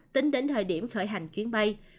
tính đến thời điểm khởi hành chuyến bay